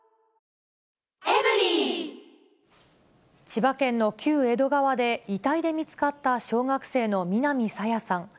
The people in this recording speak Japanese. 千葉県の旧江戸川で、遺体で見つかった小学生の南朝芽さん。